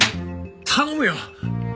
頼むよ！